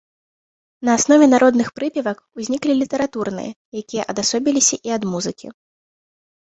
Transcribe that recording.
На аснове народных прыпевак узніклі літаратурныя, якія адасобіліся і ад музыкі.